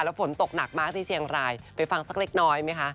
ฝนตกหนักมากที่เชียงรายไปฟังสักเล็กน้อยไหมคะ